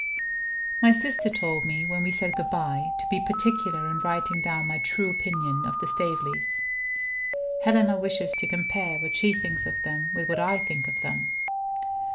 My sister told me (when we said good by) to be particular in writing down my true opinion of the Staveleys. Helena wishes to compare what she thinks of them with what I think of them.